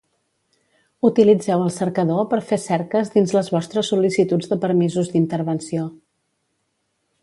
Utilitzeu el cercador per fer cerques dins les vostres sol·licituds de permisos d'intervenció.